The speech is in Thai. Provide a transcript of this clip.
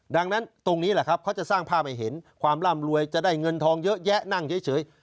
ดังนั้นตรงนี้แหละครับเขาจะสร้างภาพให้เห็นความร่ำรวยจะได้เงินทองเยอะแยะนั่งเฉย